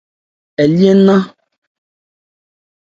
Ɛ li nnán.